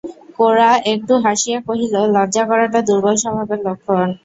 গোরা একটু হাসিয়া কহিল, লজ্জা করাটা দুর্বল স্বভাবের লক্ষণ।